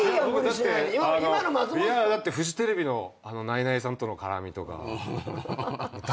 いやだってフジテレビのナイナイさんとの絡みとか大好きです。